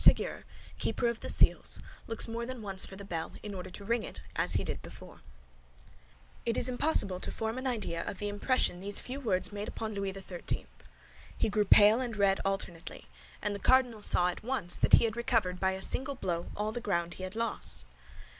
SÉGUIER, KEEPER OF THE SEALS, LOOKS MORE THAN ONCE FOR THE BELL It is impossible to form an idea of the impression these few words made upon Louis XIII. He grew pale and red alternately; and the cardinal saw at once that he had recovered by a single blow all the ground he had lost.